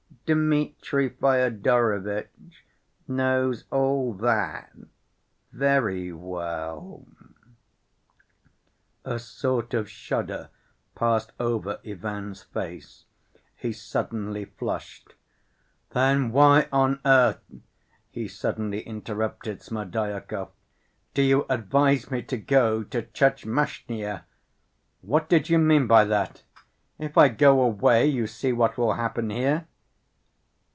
Dmitri Fyodorovitch knows all that very well." A sort of shudder passed over Ivan's face. He suddenly flushed. "Then why on earth," he suddenly interrupted Smerdyakov, "do you advise me to go to Tchermashnya? What did you mean by that? If I go away, you see what will happen here."